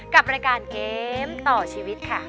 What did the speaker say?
กับรายการเกมต่อชีวิตค่ะ